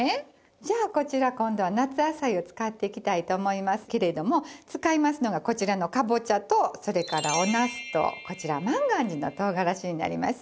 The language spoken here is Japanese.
じゃあこちら今度は夏野菜を使っていきたいと思いますけれども使いますのがこちらのかぼちゃとそれからおなすとこちら万願寺の唐辛子になります。